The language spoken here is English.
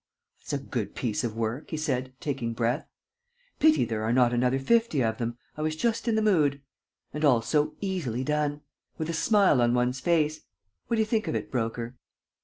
"That's a good piece of work," he said, taking breath. "Pity there are not another fifty of them. I was just in the mood. ... And all so easily done ... with a smile on one's face. ... What do you think of it, Broker?"